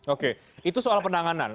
oke itu soal penanganan